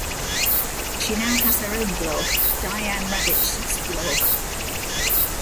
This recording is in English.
She now has her own blog, Diane Ravitch's Blog.